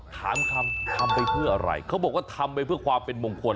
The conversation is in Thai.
ถามคำทำไปเพื่ออะไรเขาบอกว่าทำไปเพื่อความเป็นมงคล